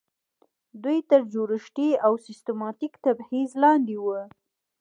دوی تر جوړښتي او سیستماتیک تبعیض لاندې وو.